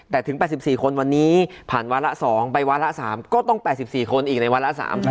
แต่ถึง๘๔คนวันนี้ผ่านวาระ๒ไปวาระ๓ก็ต้อง๘๔คนอีกในวาระ๓